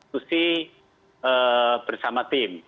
susi bersama tim